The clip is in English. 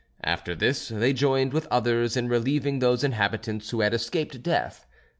After this they joined with others in relieving those inhabitants who had escaped death.